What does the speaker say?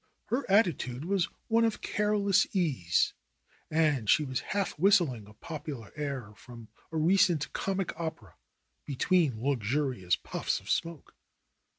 Her attitude was one of careless ease and she was half whistling a popular air from a recent comic opera between luxurious puffs of smoke.